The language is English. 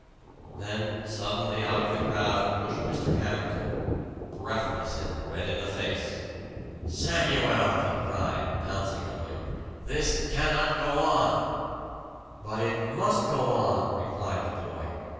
Then suddenly out of the crowd pushed Mr. Hamerton, breathless and red in the face. "Samuel!" he cried, pouncing upon him, "this cannot go on!" "But it must go on!" replied the boy.